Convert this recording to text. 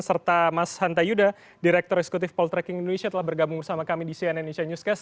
serta mas hanta yuda direktur eksekutif poltreking indonesia telah bergabung bersama kami di cnn indonesia newscast